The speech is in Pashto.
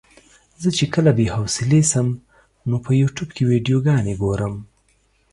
زه چې کله بې حوصلې شم نو په يوټيوب کې ويډيوګانې ګورم.